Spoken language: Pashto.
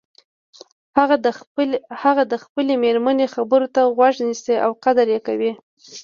هغه د خپلې مېرمنې خبرو ته غوږ نیسي او قدر یی کوي